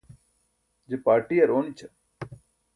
je parṭiyar oonićam